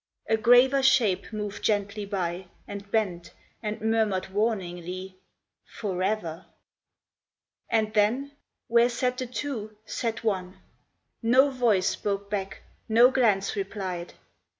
A graver shape moved gently by, And bent, and murmured warningly, "Forever !" And then where sat the two, sat one ! No voice spoke back, no glance replied.